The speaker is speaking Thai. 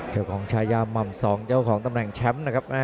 เจ้าของชายาหม่ำสองเจ้าของตำแหน่งแชมป์นะครับ